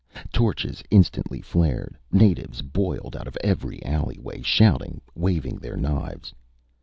Torches instantly flared, natives boiled out of every alleyway, shouting, waving their knives.